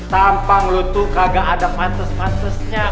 tampang lo tuh kagak ada pates patesnya